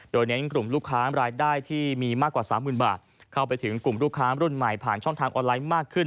โดยเน้นกลุ่มลูกค้ารายได้ที่มีมากกว่า๓๐๐๐บาทเข้าไปถึงกลุ่มลูกค้ารุ่นใหม่ผ่านช่องทางออนไลน์มากขึ้น